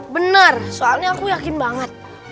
benar soalnya aku yakin banget